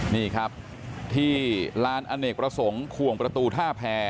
นี่ครับที่ลานอเนกประสงค์ขวงประตูท่าแพร